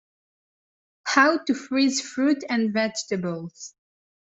How to freeze fruit and vegetables.